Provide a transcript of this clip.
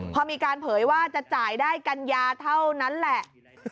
พอมีการเผยว่าจะจ่ายได้กัญญาเท่านั้นแหละ